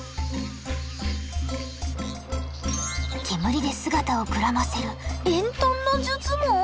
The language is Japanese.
煙で姿をくらませる煙とんの術も！？